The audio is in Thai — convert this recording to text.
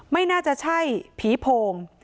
ไม่น่าจะใช่ผีโพง